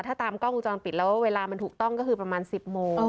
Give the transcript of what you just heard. ถ้าตามกล้องวงจรปิดแล้วเวลามันถูกต้องก็คือประมาณ๑๐โมง